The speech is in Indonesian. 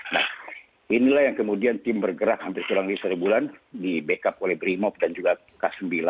nah inilah yang kemudian tim bergerak hampir kurang lebih satu bulan di backup oleh brimop dan juga k sembilan